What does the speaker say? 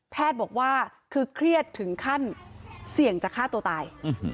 บอกว่าคือเครียดถึงขั้นเสี่ยงจะฆ่าตัวตาย